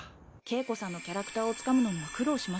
景子さんのキャラクターをつかむのには苦労しました。